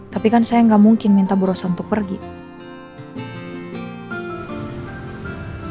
tapi kan saya gak mungkin minta ibu rossa untuk perbicaraan